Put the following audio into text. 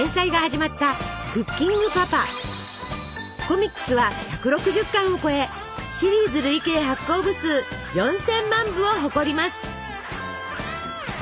コミックスは１６０巻を超えシリーズ累計発行部数４，０００万部を誇ります。